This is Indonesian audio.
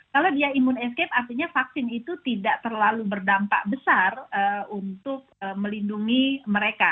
kalau dia imun escape artinya vaksin itu tidak terlalu berdampak besar untuk melindungi mereka